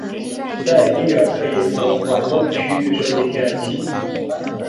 在地表可以从环状区域收集天然气。